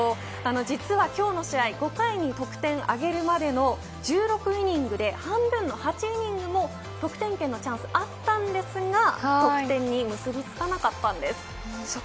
実は今日の試合５回に得点を挙げるまでの１６イニングで半分の８イニングも得点圏のチャンスがありましたが得点に結び付きませんでした。